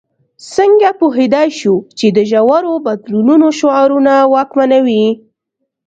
څنګه پوهېدای شو چې د ژورو بدلونونو شعارونه واکمنوي.